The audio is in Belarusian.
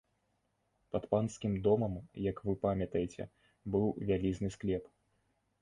Пад панскім домам, як вы памятаеце, быў вялізны склеп.